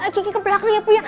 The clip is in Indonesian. kiki ke belakang ya bu ya